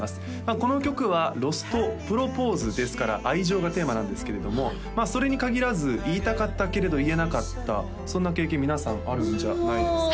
この曲は「ＬＯＳＴプロポーズ」ですから愛情がテーマなんですけれどもまあそれに限らず言いたかったけれど言えなかったそんな経験皆さんあるんじゃないですか？